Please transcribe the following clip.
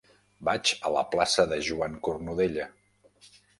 Vaig a la plaça de Joan Cornudella.